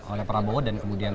oleh prabowo dan kemudian